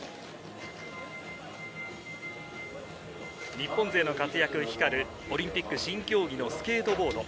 日本勢の活躍が光る、オリンピック新競技のスケートボード。